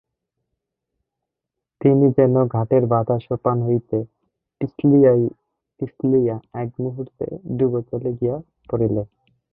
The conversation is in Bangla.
তিনি যেন ঘাটের বাঁধা সোপান হইতে পিছলিয়া একমুহূর্তে ডুবজলে গিয়া পড়িলেন।